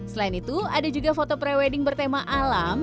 selain itu ada juga foto pre wedding bertema alam